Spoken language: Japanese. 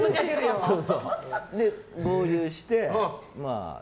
で、合流して。